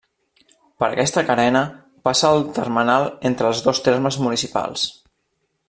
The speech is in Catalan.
Per aquesta carena passa el termenal entre els dos termes municipals.